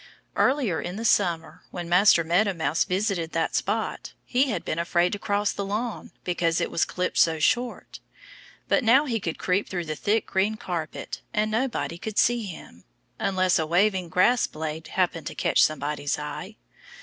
Earlier in the summer, when Master Meadow Mouse visited that spot, he had been afraid to cross the lawn because it was clipped so short. But now he could creep through the thick green carpet and nobody could see him, unless a waving grass blade happened to catch somebody's eye.